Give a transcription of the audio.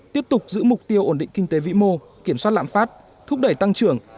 tiếp tục giữ mục tiêu ổn định kinh tế vĩ mô kiểm soát lãm phát thúc đẩy tăng trưởng